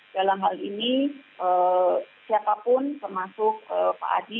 dalam hal ini siapapun termasuk pak adi